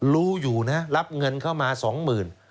รู้อยู่นะรับเงินเข้ามาสองหมื่น